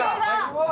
うわ！